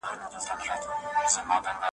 او لا یې هم، په رسنیو کي .